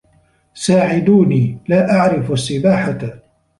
ساعدوني. لا أعرف السّباحة.